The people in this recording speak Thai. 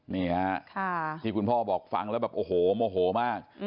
นี่ฮะที่คุณพ่อบอกฟังแล้วแบบโอ้โหโมโหมาก